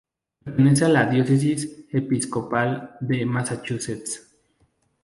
Pertenece a la Diócesis Episcopal de Massachusetts.